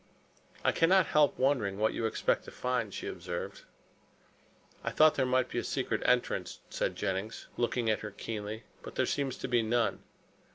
"I cannot help wondering what you expect to find," she observed. "I thought there might be a secret entrance," said Jennings, looking at her keenly, "but there seems to be none."